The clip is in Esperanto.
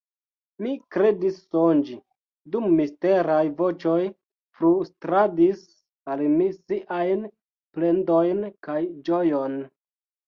Mi kredis sonĝi, dum misteraj voĉoj flustradis al mi siajn plendojn kaj ĝojon.